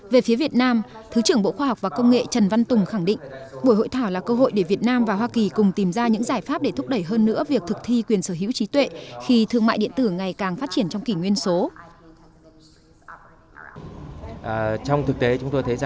về phía việt nam thứ trưởng bộ khoa học và công nghệ trần văn tùng khẳng định buổi hội thảo là cơ hội để việt nam và hoa kỳ cùng tìm ra những giải pháp để thúc đẩy hơn nữa việc thực thi quyền sở hữu trí tuệ khi thương mại điện tử ngày càng phát triển trong kỷ nguyên số